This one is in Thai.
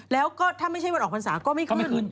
แล้วก็ถ้าไม่ใช่วันออกพรรษาก็ไม่ขึ้น